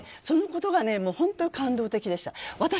そのことが本当に感動的でした。